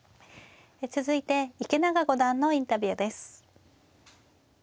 続いて池永五段のインタビューです。